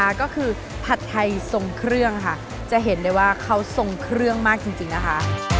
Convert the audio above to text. ก็คือผัดไทยทรงเครื่องค่ะจะเห็นได้ว่าเขาทรงเครื่องมากจริงนะคะ